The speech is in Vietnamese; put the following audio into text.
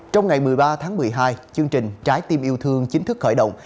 trong ngày một mươi ba tháng một mươi hai chương trình trái tim yêu thương chính thức khởi động